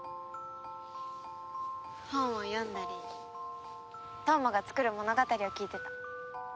本を読んだり飛羽真が創る物語を聞いてた。